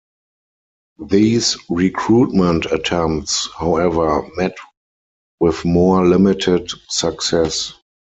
These recruitment attempts, however, met with more limited success.